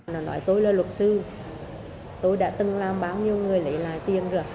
nó nói tôi là luật sư tôi đã từng làm bao nhiêu người lấy lại tiền rồi